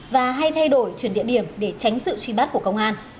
và hay thay đổi chuyển địa điểm để tránh sự truy bắt của công an